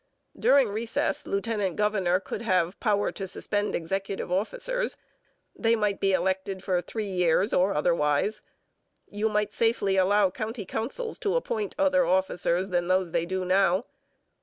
During recess lieutenant governor could have power to suspend executive officers. They might be elected for three years or otherwise. You might safely allow county councils to appoint other officers than those they do now.